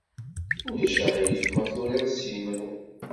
Ulac aɣilif ma turid s yemru?